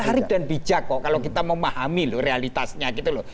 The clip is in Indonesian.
menarik dan bijak kok kalau kita memahami loh realitasnya gitu loh